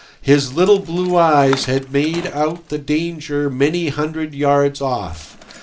His little blue eyes had made out the danger many hundred yards off.